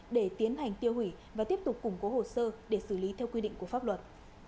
để tiến hành tiêu hủy và tiếp tục củng cố hồ sơ để xử lý theo quy định của pháp luật